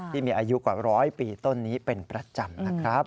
ที่มีอายุกว่าร้อยปีต้นนี้เป็นประจำนะครับ